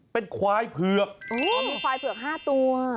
เป็นควายเผือกเขามีควายเผือก๕ตัว